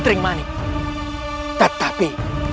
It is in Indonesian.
ada yang menadachi